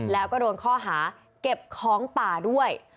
แล้วก็โดนข้อหาเก็บของป่าด้วย